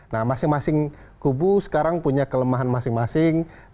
nah masing masing kubu sekarang punya kelemahan masing masing